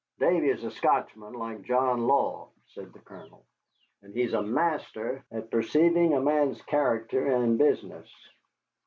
"Davy is a Scotchman, like John Law," said the Colonel, "and he is a master at perceiving a man's character and business."